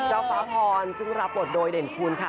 เจ้าฟ้าพรซึ่งรับปลดโดยเด่นคุณค่ะ